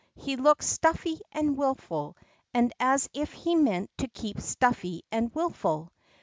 He looked stuffy and wilful, and as if he meant to keep stuffy and wilful.